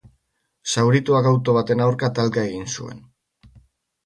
Zaurituak auto baten aurka talka egin zuen.